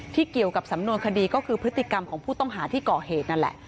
เกี่ยวกับสำนวนคดีก็คือพฤติกรรมของผู้ต้องหาที่ก่อเหตุนั่นแหละ